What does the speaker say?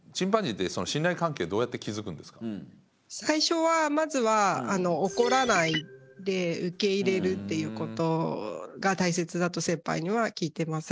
最初はまずは怒らないで受け入れるっていうことが大切だと先輩には聞いてます。